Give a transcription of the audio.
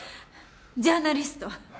ジャーナリスト？